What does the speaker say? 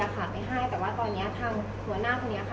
ก็ไม่ได้แต่เมื่อวานดีแล้วก็ทุกวันนี้ค่ะ